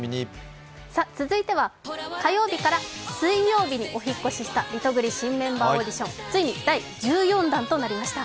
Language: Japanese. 続いては火曜日から水曜日にお引っ越ししたリトグリ新メンバーオーディション、ついに第１４弾となりました。